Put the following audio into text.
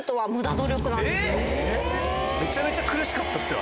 えっ⁉めちゃめちゃ苦しかったっすよ